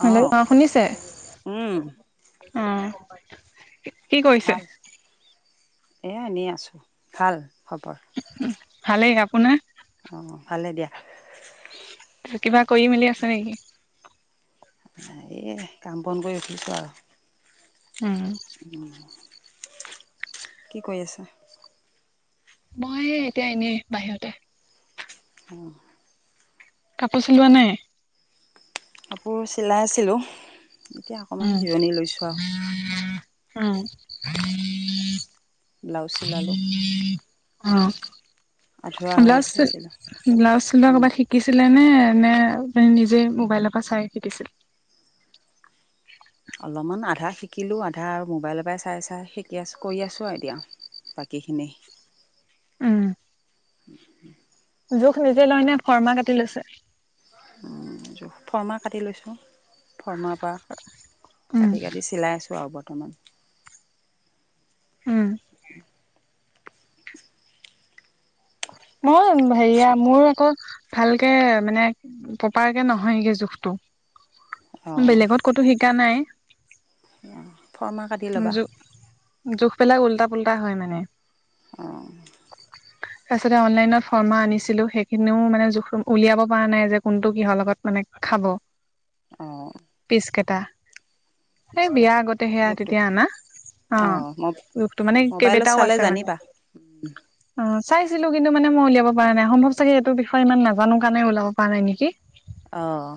Hello অঁ অ শুনিছে উম অ কি কৰিছে এয়া এনেই আছোঁ ভাল খবৰ ভালেই আপোনাৰ অঁ ভালে দিয়া তা কিবা কৰি মেলি আছে নিকি এইয়াই কাম বন কৰি উঠিছো আও উম উম কি কৰি আছা মই এতিয়া এনেই বাহিৰতে অ কাপোৰ চিলোৱা নাই কাপোৰ চিলাই আছিলোঁ এতিয়া অকমান উম জিৰণি লৈছোঁ আৰু অ ব্লাউজ চিলালোঁ অ আধৰুৱা হৈ ব্লাউজ আছে চিলাওঁ চিল ব্লাউজ চুলোৱা উম, কবাত শিকিছিলে নে তেনে নিজে মোবাইলৰ পৰা চাই শিকিছিলে অলমান আধা শিকিলোঁ আধা আৰু মোবাইলৰ পৰাই চাই চাই শিকি আছোঁ কৰি আছোঁ আৰু এতিয়া বাকীখিনি উম উম উম জোখ নিজে লৈ নে ফৰ্মা কাটি লৈছে উম জোখ ফৰৰ্মাহ কাটি লৈছোঁ ফৰ্মাৰ পৰা উম কাটি কাটি চিলাই আছোঁ আৰু বৰ্তমান উম মই হেৰিয়া তাৰপিছত মোৰ আকৌ ভালকে মানে প্ৰপাৰকে নহয়গে জোখটো অঁ বেলেগত ক'তো শিকা নাই ফৰ্মা কাটি ল'বা জো জোখ বিলাক উল্টা পুল্টা হয় মানে অঁ তাৰপিছতে অনলাইনত ফৰ্মা আনিছিলো সেইখিনিও মানে জোখ উলিয়াব পৰা নাই যে কোনটো কিহৰ লগত মানে খাব অঁ পিচকেটা এই বিয়া আগতে সেয়া জোখটো তেতিয়া আনা অ ৰোগটো মানে কেই মোবাইলত দেটাও চালে আছে মানে জানিবা অ চাই ছিলো কিন্তু মানে মই উলিয়াব পৰা নাই সম্ভৱ চাগে এইটো বিষয় ইমান নাজানো কাৰণ ওলাব পৰা নাই নিকি অহঁ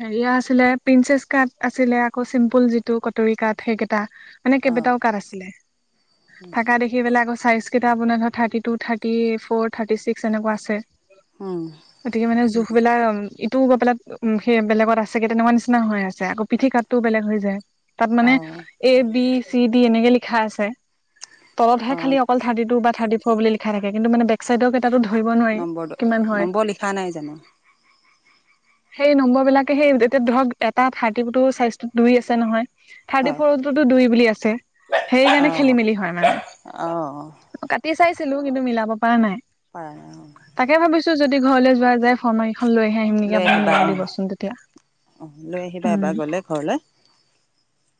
হেৰিয়া আছিলে পিঞ্চেচ কাট আছিলে আকৌ চিম্পুল যিটো কটাৰি কাট সেইকেইটা মানে অ' কেইবেটাও কাট আছিলে থাকা দেখি পেলাই আকৌ চাইজ কেইটাৰ আপোনাৰ thirty two thirty four thirty six এনকা আছে উম। গতিকে মানে জোখটো সবেলা ইটোও গৈ পেলাই উম সেই বেলেগত আছেগে তেনকা নিচিনা হৈ আছে আকৌ পিঠি কাতটো বেলেগ হৈ যায় তাত মানে অ' এ বি চি ডি এনেকে লিখা আছে তলতহে খালি অ' অকল থাৰ্টি টু বা থাৰ্টি ফৰ বুলি লিখা থাকে কিন্তু মানে বেক চাইডৰ কেই তাতো ধৰিব নোৱাৰি নম্বৰটো কিমান হয় নম্বৰ লিখা নাই জানো সেই নম্বৰ বিলাকে সেই তেতিয়া ধৰক এটা থাৰ্টি কাটৰ চাইজটো দুই আছে নহয় থাৰ্টি হয় ফৰতোতো দুই বুলি আছে সেইকাৰণে খেলি অ'। মেলি হয় অ' মানে কাটি চাইছিলো কিন্তু মিলাব পৰা নাই পাৰা নাই তাকে ভাবিছো যদি ঘৰলৈ যোৱা যাই ফাৰ্মা কেইখন লৈ হে আহিম নিকি লৈ আপু- অ আহিবা অ লৈ আহিবা উম এবাৰ গ'লে ঘৰলে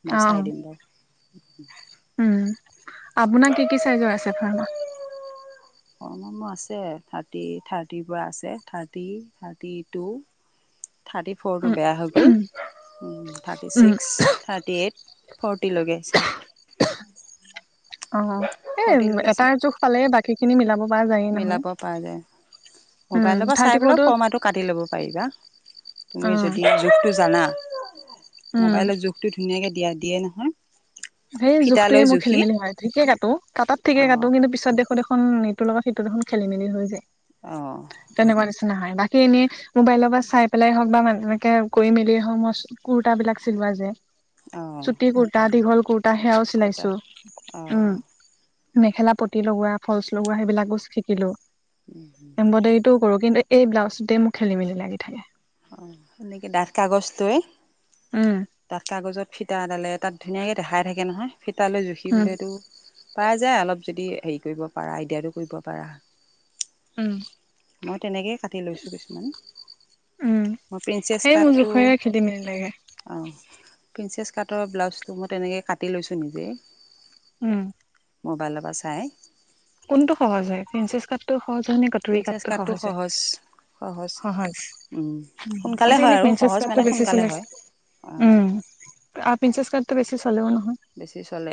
মই অ চাই দিম বাৰু [inaudible] ফৰ্ম আছে থাৰ্টি থাৰ্টিৰ পৰা আছে থাৰ্টি থাৰ্টি টু থাৰ্টি ফ'ৰটো উম বেয়া হৈ গ'ল thirty um six thirty eight forty লগাইছে। বাঁহ এটাৰ জোখ পালে বাকী খিনি মিলাব পৰা যায়েই নহয় মিলাব পৰা যায় উম মোবাইলৰ পৰা থাৰ্টি চাই পেলাই ফ'ৰটো ফৰ্মাটো কাটি ল'ব পাৰিবা অ তুমি যদি জোখটো জানা উম মোবাইলৰ জুখটো ধুনীয়াকে দিয়া দিয়ে ন সেই জোখটোৱে মোক খেলি মেলি হয় ঠিকে কাটো তাত অ ঠিকে কাটো কিন্তু পিছত দেখত দেখোন। ইটোৰ লগত সিটো দেখোন খেলি মেলি হৈ যায় আ নাই হয় বাকী এনেই মোবাইলৰ পৰা চাই পেলাই হওঁক বা ম এনেকে কৰি মেলিয়ে হওঁক মই কুৰ্তাবলাক চিলোৱা যে অ চুটি কুুৰ্তা দীঘল কুুৰ্তা সেয়াও কটা চিলাইছো অ উম মেখেলা পতি লগোৱা ফলচ লগোৱা সেইবিলাক বো শিকিলো এমব্ৰইডাৰী টোও কৰো কিন্তু। এই ব্লাউজটোতে মোক খেলি মেলি লাগি থাকে অ'সেনেকে ডাঠ কাগজটোৱে উম তাত কাগজত ফিটাাডালে তাত ধুনীয়াকে দেখাই থাকে নহয় ফিতালৈ জুখি উম বোলেতো পাই যায় অলপ যদি হেৰি কৰিব পাৰা আইডিয়াটো কৰিব পাৰা মই তেনেকেই কাটি লৈছোঁ কিছুমান উম প্ৰিনচেছ সেই মোৰ কাৰ্টটো জোখৰে খেলি মেলি লাগে। অ প্ৰিঞ্চেছ কাটৰ ব্লাউজটো মই তেনেকৈ কাটি লৈছোঁ নিজেই উম মোবাইলৰ পৰা চাই কোনটো সহজ হয় প্ৰিন্সসেছ কাটটো সহজ হয় নে কাটৰি প্ৰিন্সেছ কাঠটো কাটটো সহজ হয় সহজ উম, সোনকালে আজি কালি প্ৰিন্সচেছ কাট টো বেছি চলে যে অ আ প্ৰিন্সসেছ কাটটো বেছি চলে বেছি চলে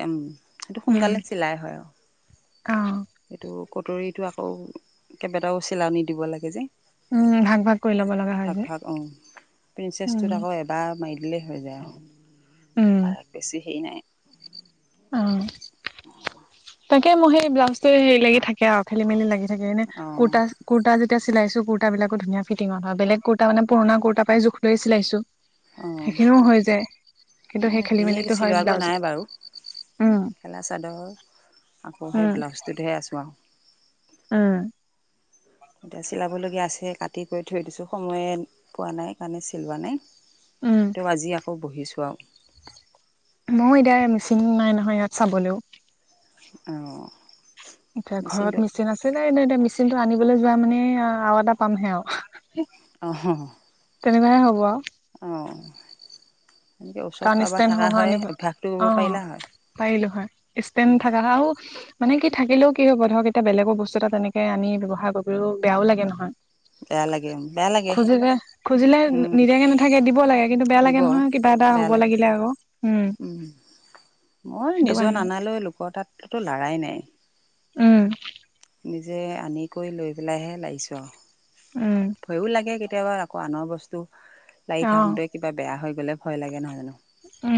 সেইটো উম সোনকালে চিলাই হয় অ', আৰু এইটো কটৰীটো আকৌ কেইবাটাও চিলনি দিব লাগে যে উম ভাগ ভাগ কৰি ল'ব লগা হয় ভাগ যে। ভাগ অ' প্ৰিন্সচেছ উম টোত আকৌ এবাৰ মাই দিলেই হৈ যায় উম আৰু তাৰ বেছি হেৰি নাই। অ' [inaudible] [inaudible] অঁ, অঁ, সেইখিনিও হৈ যায় কিন্তু মই সেই খেলি সেইখিনি মেলিটো হয় চিলোৱাগৈ ব্লাউজত নাই বাৰু। উম মেখেলা চাদৰ আকৌ সেই উম ব্লাউজটোতহে আছোঁ আৰু উম এতিয়া চিলাবলগীয়া আছে কাটি কৰি থৈ দিছোঁ সময়ে পোৱা নাই কাৰণে চিলোৱা নাই উম ত আজি আকৌ বহিছোঁও। মই এতিয়া মেচিন নাই নহয় ইয়াত চাবলৈও অ ' এতিয়া ঘৰত মিচিন আছিলে যে এনে এ মি আনিবলৈ যোৱা মানে আৰু এটা পামহে আৰু অহ তেনেকাহে হ'ব আৰু অ এনেকে কাৰণ ওচৰত কাৰোবাৰ ষ্টেণ্ড থকা সহ হয় আনিব অভ্যাসটো অ কৰিব পাৰিলা হয় পাৰিলো হয় ষ্টেন থাকা হাও মানে কি থাকিলেও কি হ'ব ধৰক এতিয়া বেলেগৰ বস্তু এটা তেনেকে আমি ব্যৱহাৰ কৰিবও বেয়াও লাগে নহয় বেয়া লাগে, বেয়া লাগে। খুজিলে খুজিলে উম নি-নিদিয়াকে নাথাকে দিব লাগে, কিন্তু বেয়া লাগে নহয় কিবা এটা হ'ব লাগিলে আকৌ। উম উ। মই সেইটো নিজৰ কাৰণে নানালৈ লোক তাততো লাৰাই নাই। উ। নিজে আনি কৰি লৈ পেলাইহে লাইছ। উম ভয়ো লাগে কে কেতিয়াবা আকৌ আনৰ বস্তু লায়ী থাকোঁতে কিবা বেয়া হৈ গ'লে ভয় লাগে নহয় জানো। উ।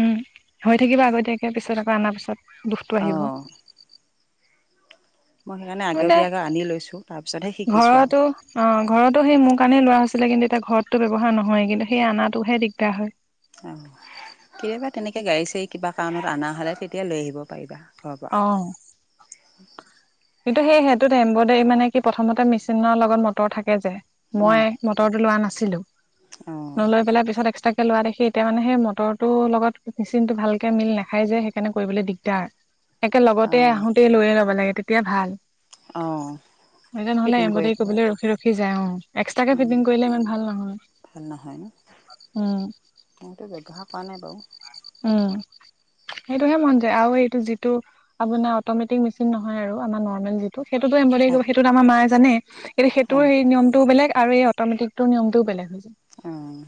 হৈ থাকিব আগতীয়াকে পিছত আকৌ অনাৰ পিছত দুখটো আহিব। অঁ মই সেইকাৰণে মানে, আগতীয়াকৈ আনি লৈছোঁ তাৰপিছতহে শিকিছোঁ আৰু ঘৰতো অ', ঘৰতো সেই মোৰ কাৰণে লোৱা হৈছি [unintelligible] কিন্তু এতিয়া ঘৰতটো ব্যৱহাৰ নহয়, কিন্তু সেই অনাটোহে দিগদাৰ হয়। অ', কেবা তেনেকে গাড়ী-চাড়ী কিবা কাৰনত অনা হ'লে তেতিয়া লৈ আহিব পাৰিবা। ঘৰৰ পৰা অ'। [inaudible] কিন্তু সেই সেইটোত এম্ব্ৰইডাৰী মানে কি প্ৰথমতে মেচিনৰ লগত মটৰ থাকে যে। মই মটৰটো লোৱা নাছিলো। অঁ নলৈ পেলাই পিছত এক্সট্ৰা লোৱা দেখি এতিয়া মানে সেই মটৰটো লগত মেচিনতটো ভালকে মিল নাখাই যে সেইকাৰণে কৰিবলৈ দিগদাৰ। অঁ একেলগতে অঁ আহোতেই লৈয়ে লব লাগে তেতিয়া ভাল। অঁ এতিয়া নহলে ফিটিং কৰি এম্ব্ৰয়ডাৰী একেবাৰে কৰিবলৈ ৰখি ৰখি যায় অ'। এক্সট্ৰাকে ফিটিং কৰিলে ইমান ভাল ভাল ন নহয়। উ। মইতো ব্যৱহাৰ কৰা নাই বাৰু। উ। সেইটোহে মন যায় আৰু এইটো যিটো আপোনাৰ অটমেটিক মেচিন নহয় আৰু আমাৰ নৰ্মেল যিটো। সেইটোতো এমব্ৰয়ডাৰী হয় কৰিব সেইটোত আমাৰ মায়ে জানে। কিন্তু সেইটোৰ অঁ সেই নিয়মটো বেলেগ আৰু এই অট'মেটিকটোৰ নিয়মটোও বেলেগ হয়। অ'।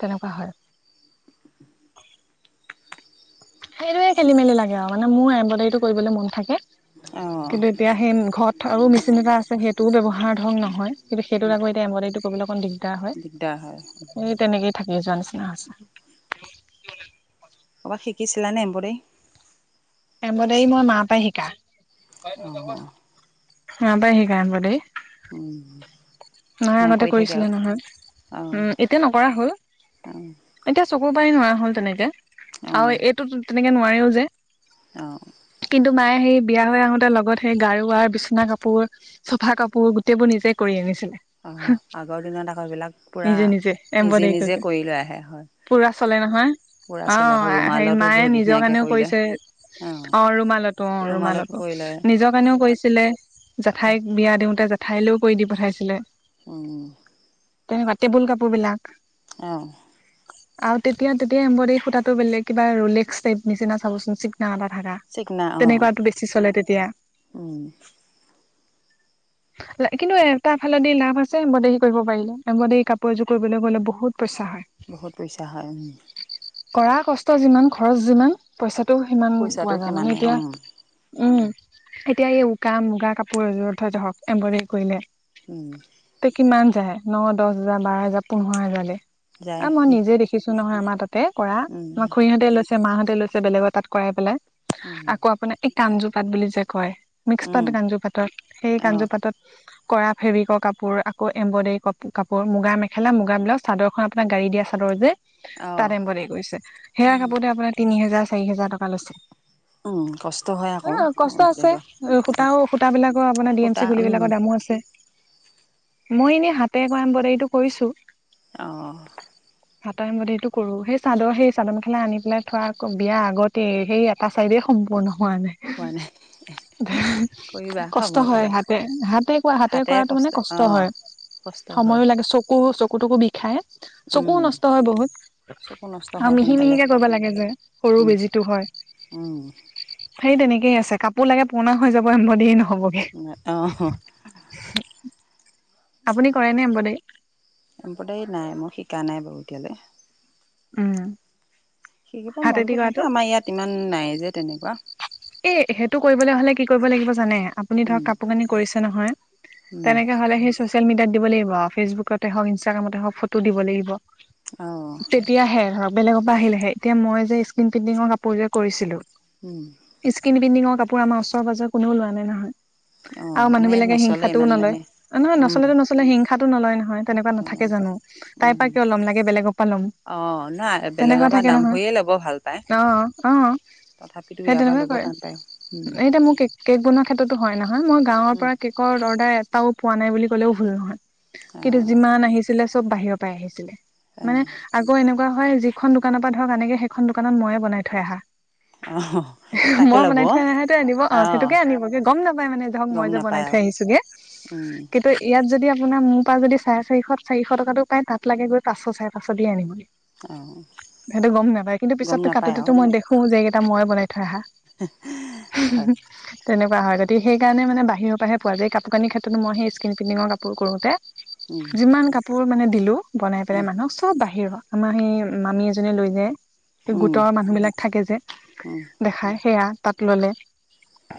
তেনেকুৱা হয়। সেইটোয়ে খেলি মেলি লাগে আৰু মানে মোৰ এম্ব্ৰয়ডাৰীটো কৰিবলৈ মন থাকে। অ'। কিন্তু এতিয়া সেই ঘৰত আৰু মেচিন এটা আছে সেইটোও ব্যৱহাৰ ধং নহয়, কিন্তু সেইটো আক' এতিয়া এম্ব্ৰয়ডাৰীটো কৰিবলৈ অকন দিগদাৰ হয়, দিগদাৰ হয় সেই তেনেকেই থাকি যোৱা নিচিনা হৈছে। ক'ৰবাত শিকিছিলানে এম্বডায়ী? এম্ব্ৰডায়ী মই মা পা শিকা। অঁ মা পা শিকা এম্বডায়ী? উ। মাই আগতে কৰিছিলে নহয়। অঁ উ, এতিয়া নকৰা হ'ল। অঁ এতিয়া চকুৰপায়ে নোৱাৰা হ'ল তেনেকে। অঁ আৰু এইটোত তেনেকে নোৱাৰেও যে। অঁ কিন্তু মায়ে সেই বিয়া হৈ আহোতে লগত সেই গাৰু ৱাৰ, বিচনা কাপোৰ, চফা কাপোৰ, গোটেই বোৰ নিজে কৰি আনিছিলে। অ', আগৰ দিনত আকৌ সেইবিলাক পুৰা নিজে নিজে নিজে এম্ব্ৰইডাৰী নিজে কৰি লৈ আহে হয়। পুৰা চলে নহয়। পূৰা চলে আকৌ অ', হেই ৰুমালতো মায়ে বহুত নিজৰ ধুনীয়াকৈ কাৰণেও কৰি লয় কৰিছে। অঁ অ', ৰুমালতো, অ', ৰুমালতো। কৰি লয় নিজৰ কাৰণেও কৰিছিলে। জেঠাইক বিয়া দিওঁতে জেঠাইলৈও কৰি দি পঠাইছিলে। অ'। তেনেকুৱা টেবুল কাপোৰ বিলাক। অ'। আৰু তেতিয়া, তেতিয়া এম্ব্ৰইডায়ী সূতাটো বেলেগ কিবা ৰোলেক্স টাইপ নিচিনা চাবচোন [unintelligible] ভাড়া। চিকনা অঁ তেনেকুৱাটো বেছি চলে তেতিয়া। কিন্তু এ, তাৰ ফালদি লাভ পিছে এমবদায়ী কৰিব পাৰিলে। এমবদায়ী কাপোৰ এযোৰ কৰিবলৈ গ'লে বহুত পইচা হয় বহুত পইচা হয়, উ। কৰা কষ্ট যিমান খৰচ যিমান পইচাটো সিমান পইচাটো পোৱা যায় মানে সিমানেই এতিয়া উম, এতিয়া এই উকা মুগা কাপোৰযোৰত ধতে হক এম্ব্ৰডাৰী কৰিলে। উম, তে কিমান যায় ন দহ হোজাৰ বাৰ হাজাৰ পোন্ধৰ হোজাৰ যায় আৰু মই নিজে দেখিছো নহয় আমাৰ তাত। সেই কৰা উম আমাৰ খুৰীহঁতে লৈছে মাহঁতে লৈছে বেলেগৰ তাত কৰাই পেলাই উম আকৌ আপোনাৰ কাঞ্জুপাত বুলি যে কয় মিক্স পাত উম কাঞ্জুপাতত সেই অঁ কাঞ্জুপাতত। কৰা ফেব্ৰিকৰ কাপোৰ আকৌ এম্ব্ৰডাৰী কাপোৰ মুগা মেখেলা মুগাাব্লাউজ চাদৰখন আপোনাক গাড়ী দিয়া চাদৰ যে, অঁ তাত এমব্ৰডাৰি কৰিছে সেয়া কাপোৰতে আপোনাৰ তিনি হেজাৰ চাৰি হেজাৰ টকা লৈছে। অঁ কষ্ট হয় আকৌ অ, কষ্ট আছে বেলেগৰ সূতাও সুতা বিলাকৰ আপোনাৰ ডি এম সূতা চি গুলিবিলাকৰ দামো আছে। আছে। মই এনেই হাতে কৰা এমব্ৰডাৰিটো কৰিছো অহ, হাটাই মদেটো কৰো সেই চাদৰ সেই চাদৰ মেখেলা আনি পেলাই থোৱা আকৌ বিয়া আগতেই সেই এটা চাইদেই সম্পূৰ্ণ, হোৱা নাই। হোৱা নাই কৰিবা কষ্ট সময় হয় পালে হাতে -হাতে কৰা হাতে হাতেৰে কৰাটো মানে কষ্ট, অঁ হয় কষ্ট হয় সময়ো লাগে চকু-চকুটুকু বিষায়। চকুও উম নষ্ট হয় বহুত। চকু নষ্ট অ, হয় সোনকালে মিহি-মিহিকে কৰিব লাগে যে সৰু বেজিটো হয় অঁ সেই তেনেকে, থিকেই আছে কাপোৰ লাগে পুৰণা হৈ যাব এমব্ৰডাৰি নহবগে। আপুনি কৰে নে এমব্ৰইডাৰি। এম্ব্ৰইডাৰী নাই মই শিকা নাই বাৰু এতিয়ালে। উম, শিকিব হাতেদি মনটো কৰাটো থাকে আমাৰ ইয়াত ইমান নাই যে তেনেকুৱা। এ সেইটো কৰিবলৈ হলে কি কৰিব লাগিব জানে। আপুনি ধৰক কাপোৰ কানি কৰিছে নহয় তেনেকে হলে সি ছ'চিয়েল মিডিয়াত দিব লাগিব ফেচবুকতে হওক ইনষ্টাগ্ৰামতে হওক ফটো দিব লাগিব। অঁ তেতিয়াহে ধৰক বেলেগৰ পৰা আহিলেহে এতিয়া মই যে স্কিন পেন্টিঙৰ কাপোৰযোৰ কৰিছিলো। উম, স্কিন পিন্টিঙৰ কাপোৰ আমাৰ ওচৰ পাজৰে কোনেও লোৱা নাই নহয়। অ', আৰু মানুহ বিলাকে হিংসাটোও নলয়। নহয় উম নচলেটো নচলে হিংসাতো নলয় নহয় তেনেকুৱা নাথাকে জানোঁ। তাইৰ উম পৰা কিয় লম লাগে বেলেগ লম অ নাই বেলেগৰ তেনেকুৱা পৰা থাকে দাম নহয় ভৰিয়ে ল'ব ভাল পায় অ-অ, তথাপিতো ইয়াত এতিয়া মোৰ কেক বনোৱা ক্ষেত্ৰতো হয় নহয় মই গাঁৱৰ পৰা কেকৰ অৰ্ডাৰ ৰাস্তাও পোৱা নাই বুলি ক'লেও ভুল নহয় অ কিন্তু যিমান আহিছিলে চব বাহিৰৰ পৰাই আহিছিলে। মানে অ আকৌ এনেকুৱা হয় যিখন দোকানৰ পৰা ধৰক আনেগে সেইখন দোকানত মইয়ে বনাই থৈ আহা। অ, তাকে মই ল'ব বনাই থৈ অহা নাই দে তো আনিব অ' সেইটোকে আনিবগে গম নাপাই মানে ধৰ মই গম যে বনাই নাপায় আৰু থৈ আহিছোগে। উম কিন্তু ইয়াত যদি আমি আপোনাৰ মোৰ পৰা যদি চাৰে চাৰিশ চাৰিশ টাতো পাই তাত লাগে গৈ পাঁচশ চাৰে পাঁচশ দি আনিব বুলি। অ সেইটো গম নাপায় কিন্তু গম পিছতো নাপায় আৰু কাতেতো মই দেখো যে এই কেইটা মই থৈ আহা। হয় তেনেকুৱা হয় গতি সেইকাৰণোন বাহিৰৰ পৰাহে পোৱা যায় কোৰ কানিৰ ক্ষেত্ৰত মই স্কিনিৰ কোৰোঁতে উম যিমান কাপোৰ মানে দিলো বনাই পেলাই উম মানুহক চব বাহিৰৰ। আমাৰ সেই মামী এজনে লৈ যায় গোটৰ উম মানুহ বিলাক থাকে যে উম দেখাই। সেয়া তাত ললে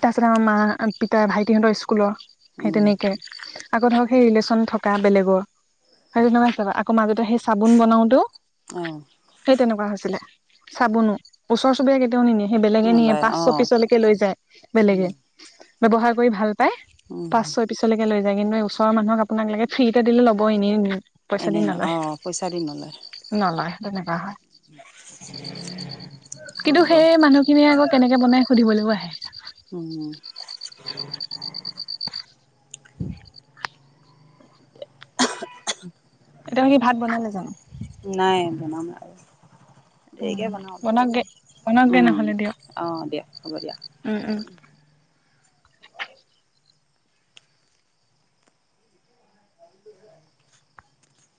তাৰপিছত আমাৰ মা পিতা ভাইটিহতৰ স্কুলৰ সেই উম তেনেকে। আকৌ ধৰক সেই ৰিলেশ্যন থকা বেলেগৰ সেই নহয় চ আকৌ মাজত সেই চাবোন বনাওতেও অ সেই তেনেকুৱা হৈছিলে চাবোনো ওচৰ চুবুৰীয়া কেেই িয়ে সেই বেলেগে নিয়ে নলয় পাঁচশ অ পিছলৈকে লৈ যায় উম বেলেগে ব্যৱহাৰ কৰি ভাল পাই উম পাঁচ ছয় পিছলৈকে লৈ যায় কিন্তু ওচৰৰ মানুক আপোনাক লাগে ফ্ৰীতে দিলে'ব এনেই পইচা দি এনেই ন নলয় অ পইচা নলয় তেনেকুৱা হয় কিন্তু কি সেই মানুহখিনিয়ে আকৌ কেনেকে বনাই সুধিবলৈও আহে উম উ [unintelligible] এটো মে কি ভাত বনালে জানো সাম আ আৰু দেৰিকে বনাওঁ বনাওকগে অলপ বনাওকগে উম নহ'লে দিয়ক অ দিয়া হ'ব দিয়া উম উম [unintelligible] [unintelligible]